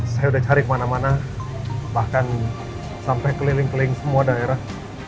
saya udah cari kemana mana bahkan sampai keliling keliling semua daerah